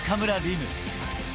夢。